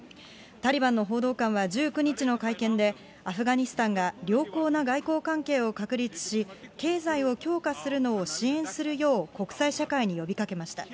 タリバンの報道官は１９日の会見で、アフガニスタンが良好な外交関係を確立し、経済を強化するのを支援するよう国際社会に呼びかけました。